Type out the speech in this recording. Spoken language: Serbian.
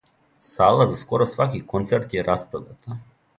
Сала за скоро сваки концерт је распродата.